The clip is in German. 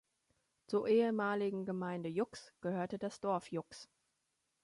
Zur ehemaligen Gemeinde Jux gehört das Dorf Jux.